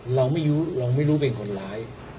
เราไม่รู้เป็นคนร้าย